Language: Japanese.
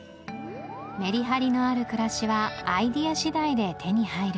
メリハリのある暮らしはアイデア次第で手に入る